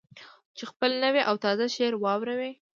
چې خپل نوی او تازه شعر واوروي.